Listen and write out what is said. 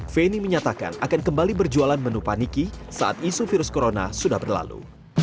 feni menyatakan akan kembali berjualan menu paniki saat isu virus corona sudah berlalu